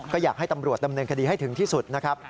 ก็อยากให้ตำรวจดำเนินคดีให้ถึงที่สุดนะครับ